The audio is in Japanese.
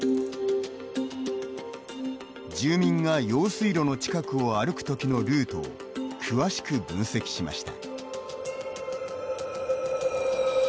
住民が用水路の近くを歩くときのルートを詳しく分析しました。